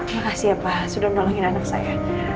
makasih ya pak sudah menolongin anak saya